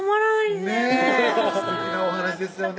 ねっすてきなお話ですよね